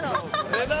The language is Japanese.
値段